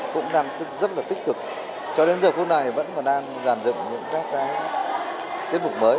cũng đang rất là tích cực cho đến giờ phút này vẫn còn đang giàn dựng những các cái tiết mục mới